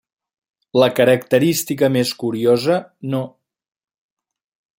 La característica més curiosa, no.